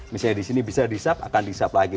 misalnya di sini bisa disap akan disap lagi